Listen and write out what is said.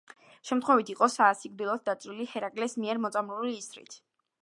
შემთხვევით იყო სასიკვდილოდ დაჭრილი ჰერაკლეს მიერ მოწამლული ისრით.